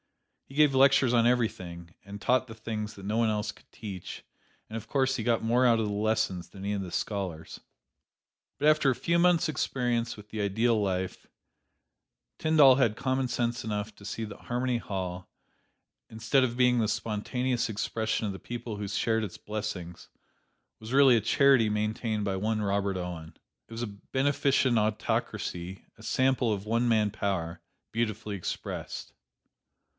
He gave lectures on everything, and taught the things that no one else could teach, and of course he got more out of the lessons than any of the scholars. But after a few months' experience with the ideal life, Tyndall had commonsense enough to see that Harmony Hall, instead of being the spontaneous expression of the people who shared its blessings, was really a charity maintained by one Robert Owen. It was a beneficent autocracy, a sample of one man power, beautifully expressed.